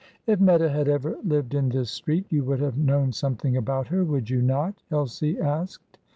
"If Meta had ever lived in this street you would have known something about her, would you not?" Elsie asked.